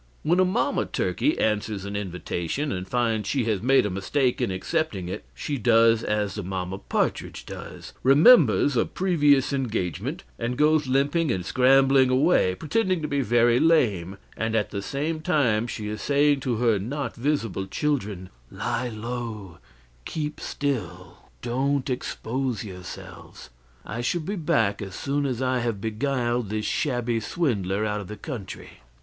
When a mamma turkey answers an invitation and finds she has made a mistake in accepting it, she does as the mamma partridge does remembers a previous engagement and goes limping and scrambling away, pretending to be very lame; and at the same time she is saying to her not visible children, "Lie low, keep still, don't expose yourselves; I shall be back as soon as I have beguiled this shabby swindler out of the country."